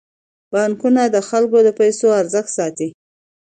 بانکونه د خلکو د پيسو ارزښت ساتي.